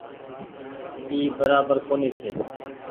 اي برابر ڪونيٚ ڇي۔